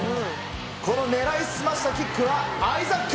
この狙い澄ましたキックはアイザック。